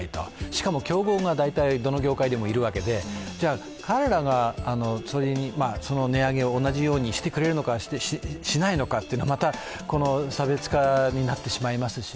しかも競合がどの業界でもいるわけで、彼らが値上げを同じようにしてくれるのか、しないのかというのはまた差別化になってしまいますし。